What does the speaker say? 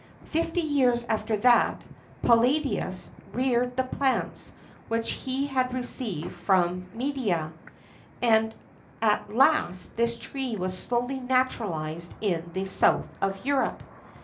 [XIII 32] Fifty years after that, Palladius reared the plants which he had received from Media,[XIII 33] and at last this tree was slowly naturalized in the south of Europe.